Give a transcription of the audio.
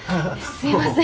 すいません。